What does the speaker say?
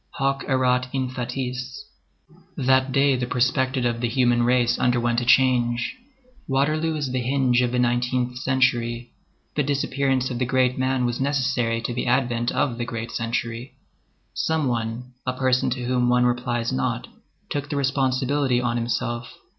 Hoc erat in fatis. That day the perspective of the human race underwent a change. Waterloo is the hinge of the nineteenth century. The disappearance of the great man was necessary to the advent of the great century. Some one, a person to whom one replies not, took the responsibility on himself.